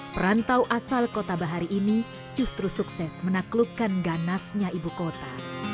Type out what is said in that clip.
perantau asal kota bahari ini justru sukses menaklukkan ganasnya ibu kota